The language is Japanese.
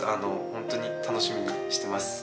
ホントに楽しみにしてます。